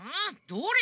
どれ？